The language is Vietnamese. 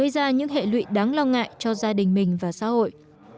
lệ lụy đáng lo ngại cho gia đình mình và xã hội